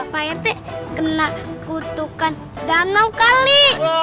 pak retik kena sekutukan danau kali